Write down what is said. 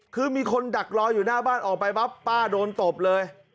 คือมีคนดักรออยู่หน้าบ้านออกไปปั๊บป้าโดนตบเลย